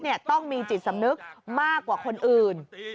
ต้องมีจิตสำนึกมากกว่าคนอื่น